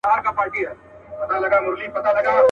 مُلا ډوب سو په سبا یې جنازه سوه.